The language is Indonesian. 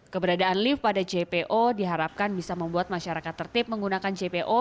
keberadaan lift pada jpo diharapkan bisa membuat masyarakat tertib menggunakan jpo